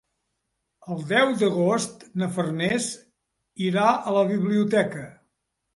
El deu d'agost na Farners irà a la biblioteca.